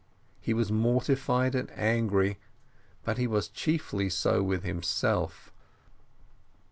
He was mortified and angry, but he was chiefly so with himself.